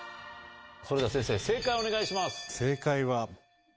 それでは先生正解をお願いします。